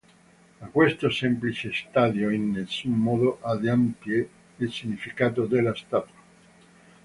Ma questo semplice stadio in nessun modo adempie il significato della statua.